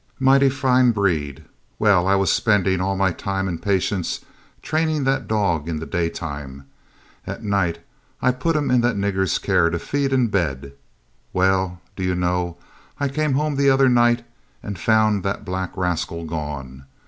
Mighty fine breed. Well, I was spendin' all my time and patience trainin' that dog in the daytime. At night I put him in that nigger's care to feed and bed. Well, do you know, I came home the other night and found that black rascal gone?